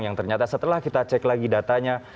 yang ternyata setelah kita cek lagi datanya